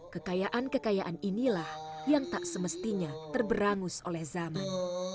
kekayaan kekayaan inilah yang tak semestinya terberangus oleh zaman